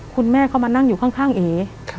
คุณแม่เขามานั่งอยู่ข้างเอ